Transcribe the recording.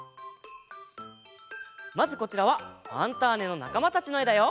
まずこちらは「ファンターネ！」のなかまたちのえだよ。